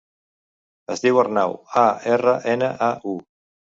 Es diu Arnau: a, erra, ena, a, u.